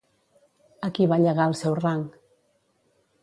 A qui va llegar el seu rang?